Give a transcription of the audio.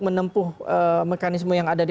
menempuh mekanisme yang ada di